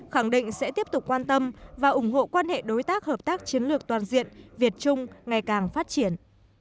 khẳng định sẽ tiếp tục quan tâm và ủng hộ quan hệ đối tác hợp tác chiến lược toàn diện việt trung ngày càng phát triển